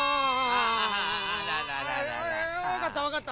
ああわかったわかった。